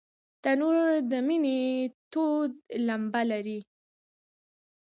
تنور د مینې تود لمبه لري